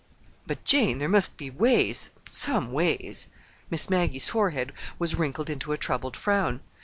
"But, Jane, there must be ways—some ways." Miss Maggie's forehead was wrinkled into a troubled frown.